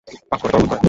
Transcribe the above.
পাপ করে গর্ববোধ করে!